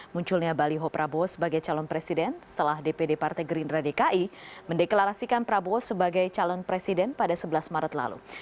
munculnya baliho prabowo sebagai calon presiden setelah dpd partai gerindra dki mendeklarasikan prabowo sebagai calon presiden pada sebelas maret lalu